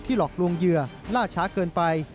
หลอกลวงเหยื่อล่าช้าเกินไป